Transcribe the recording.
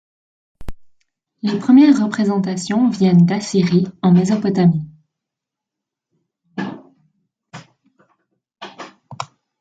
Les premières représentations viennent d'Assyrie, en Mésopotamie.